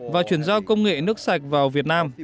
và chuyển giao công nghệ nước sạch vào việt nam